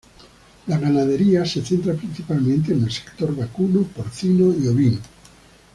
La ganadería se centra principalmente en el sector vacuno, porcino y ovino.